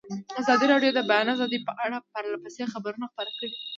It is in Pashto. ازادي راډیو د د بیان آزادي په اړه پرله پسې خبرونه خپاره کړي.